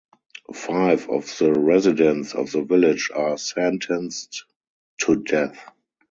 Five of the residents of the village are sentenced to death.